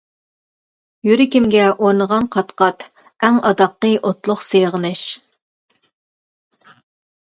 يۈرىكىمگە ئورنىغان قات-قات، ئەڭ ئاداققى ئوتلۇق سېغىنىش.